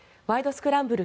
スクランブル」